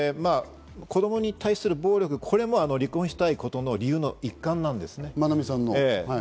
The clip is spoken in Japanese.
子供に対する暴力、これも離婚したいことの理由の一環なんですね。